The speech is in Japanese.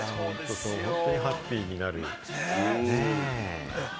本当にハッピーになる。